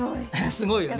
すごいよね。